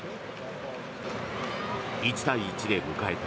１対１で迎えた